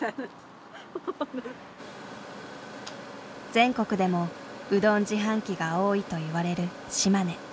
全国でもうどん自販機が多いといわれる島根。